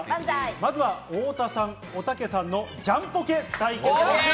まずは太田さん、おたけさんのジャンポケ対決です。